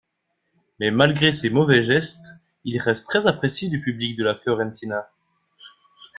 Mais malgré ses mauvais gestes, il reste très apprécié du public de la Fiorentina.